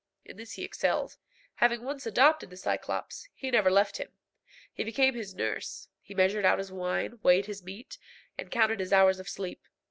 In this he excelled. Having once adopted the Cyclops, he never left him. He became his nurse; he measured out his wine, weighed his meat, and counted his hours of sleep.